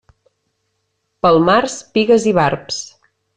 Pel març, pigues i barbs.